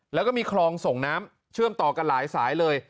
แล้วก็มีคลองส่งน้ำเชื่อมต่อกันหลายสายเลย